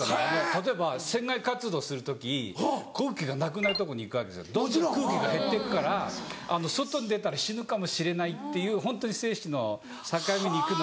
例えば船外活動する時空気がなくなるとこに行くどんどん空気が減ってくから外に出たら死ぬかもしれないっていうホントに生死の境目に行くので。